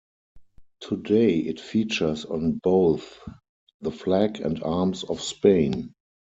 Today it features on both the flag and arms of Spain.